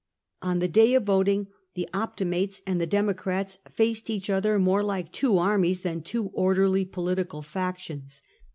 On the day of voting the Optimates and the Democrats faced each other more like two armies than two orderly political factions.